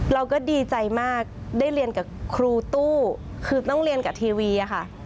เราก็ดีใจมากได้เรียนกับครูตู้คือต้องเรียนกับทีวีค่ะ